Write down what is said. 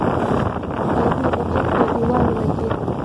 هلک لکه توپ پر دېوال ولگېد.